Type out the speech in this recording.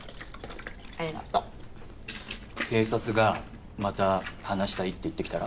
ありがとう警察がまた話したいって言ってきたら？